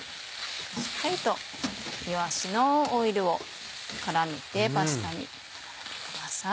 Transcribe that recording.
しっかりといわしのオイルをパスタに絡めてください。